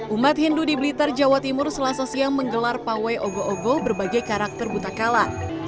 umat hindu di blitar jawa timur selasa siang menggelar pawai ogo ogo berbagai karakter buta kala